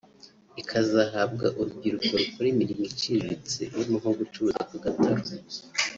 ikazazahabwa urubyiruko rukora imirimo iciriritse irimo nko gucuruza ku gataro